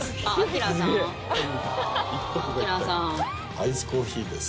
アイスコーヒーです